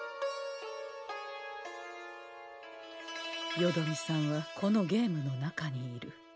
よどみさんはこのゲームの中にいる。